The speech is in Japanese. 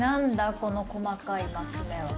この細かいマス目は。